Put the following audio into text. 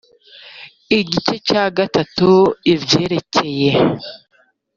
igice cya gatatu ibyerekeye